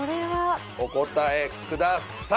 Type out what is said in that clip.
お答えください！